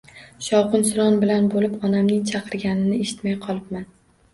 Shovqin-suron bilan bo‘lib onamning chaqirganini eshitmay qolibman.